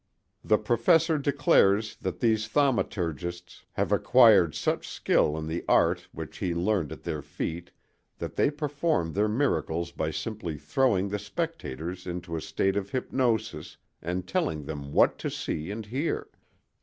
The professor declares that these thaumaturgists have acquired such skill in the art which he learned at their feet that they perform their miracles by simply throwing the 'spectators' into a state of hypnosis and telling them what to see and hear.